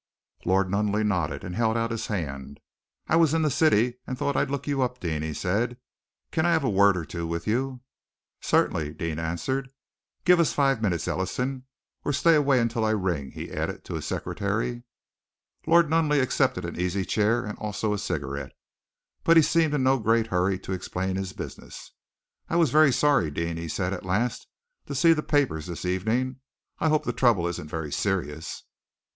Lord Nunneley nodded, and held out his hand. "I was in the city and thought I'd look you up, Deane," he said. "Can I have a word or two with you?" "Certainly," Deane answered. "Give us five minutes, Ellison, or stay away until I ring," he added to his secretary. Lord Nunneley accepted an easy chair and also a cigarette, but he seemed in no great hurry to explain his business. "I was very sorry, Deane," he said at last, "to see the papers this evening. I hope the trouble isn't very serious."